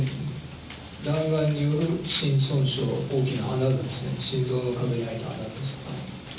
弾丸による心損傷、大きな穴ですね、心臓の壁に開いた穴です。